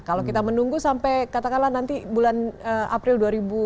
kalau kita menunggu sampai katakanlah nanti bulan april dua ribu dua puluh